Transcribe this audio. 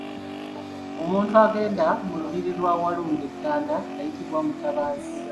Omuntu agenda mu lubiri lwa Walumbe e Ttanda ayitibwa Mutabaazi.